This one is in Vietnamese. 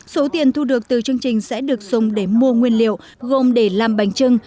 số tiền thu được từ chương trình sẽ được dùng để mua nguyên liệu gồm để làm bành chưng